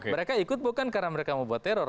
mereka ikut bukan karena mereka mau buat teror